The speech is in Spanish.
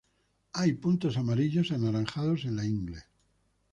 Hay puntos amarillos-anaranjados en la ingle.